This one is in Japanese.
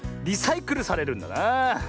リサイクルされるんだなあ。